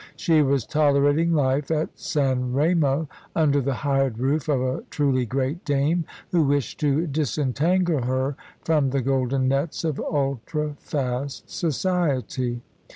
She was tolerating life at San Remo, under the hired roof of a truly great dame, who wished to disentangle her from the golden nets of ultra fast society.